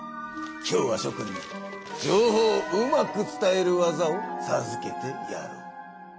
今日はしょ君に情報をうまく伝える技をさずけてやろう。